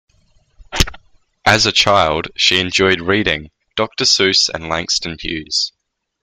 As a child, she enjoyed reading Doctor Seuss and Langston Hughes.